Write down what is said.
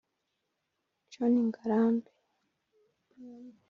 John Ngarambe